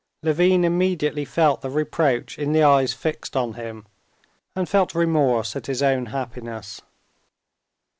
Levin immediately felt the reproach in the eyes fixed on him, and felt remorse at his own happiness.